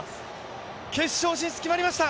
決勝進出決まりました